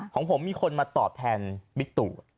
ของผมมีคนมาตอบแทนบิ๊กตู่